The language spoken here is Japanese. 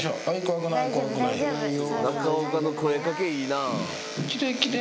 中岡の声かけいいな。